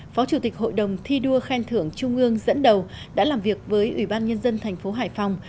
phó chủ tịch hội đồng thi đua khen thưởng trung ương dẫn đầu đã làm việc với ủy ban nhân dân thành phố hải phòng